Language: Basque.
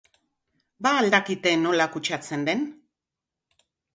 Ba al dakite nola kutsatzen den?